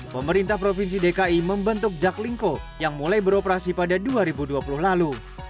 pemerintah provinsi dki membentuk jaklingko yang mulai beroperasi pada dua ribu dua puluh lalu